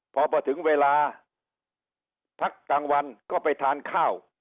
พอพอถึงเวลาพักกลางวันก็ไปทานข้าว